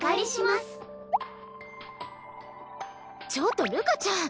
ちょっとるかちゃん！